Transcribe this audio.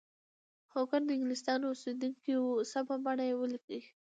هوګو د انګلستان اوسیدونکی و سمه بڼه ولیکئ.